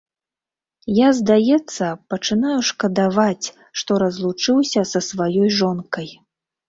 Я, здаецца, пачынаю шкадаваць, што разлучыўся са сваёй жонкай.